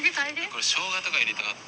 「これショウガとか入れたかった」。